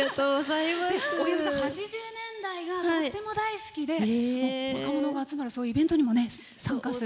荻野目さん、８０年代がとっても大好きで若者が集まるイベントにも参加する。